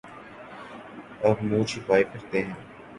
اب منہ چھپائے پھرتے ہیں۔